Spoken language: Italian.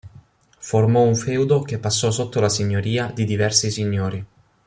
Formò un feudo che passò sotto la signoria di diversi signori.